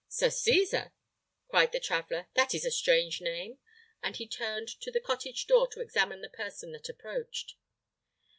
"Sir Cesar!" cried the traveller; "that is a strange name!" and he turned to the cottage door to examine the person that approached.